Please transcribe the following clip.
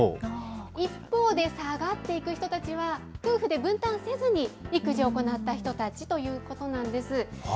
一方で下がっていく人たちは、夫婦で分担せずに育児を行った人たちということなんです。